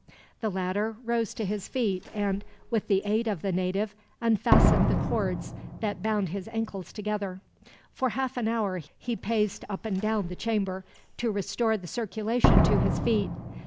The latter rose to his feet and, with the aid of the native, unfastened the cords that bound his ankles together. For half an hour he paced up and down the chamber, to restore the circulation to his feet.